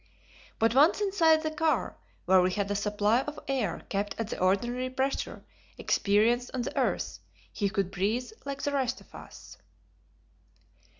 But once inside the car, where we had a supply of air kept at the ordinary pressure experienced on the earth, he could breathe like the rest of us.